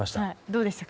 どうでしたか？